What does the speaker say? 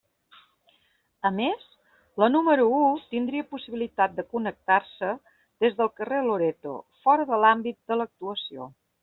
A més, la número u tindria possibilitat de connectar-se des del carrer Loreto, fora de l'àmbit de l'actuació.